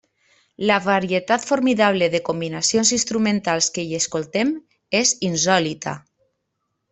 La varietat formidable de combinacions instrumentals que hi escoltem és insòlita.